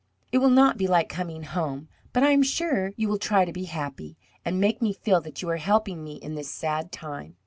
It will not be like coming home, but I am sure you will try to be happy, and make me feel that you are helping me in this sad time.